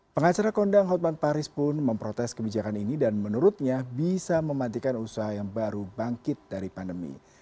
pengacara kondang hotman paris pun memprotes kebijakan ini dan menurutnya bisa memantikan usaha yang baru bangkit dari pandemi